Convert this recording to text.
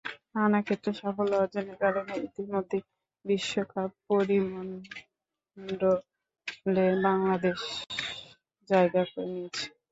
নানা ক্ষেত্রে সাফল্য অর্জনের কারণে ইতিমধ্যেই বিশ্বপরিমণ্ডলে বাংলাদেশ জায়গা করে নিয়েছে।